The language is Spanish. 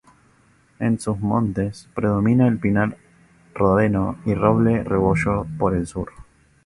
En sus montes predomina el pinar rodeno y roble rebollo por el sur.